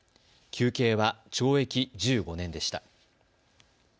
求刑は懲役１５年でした。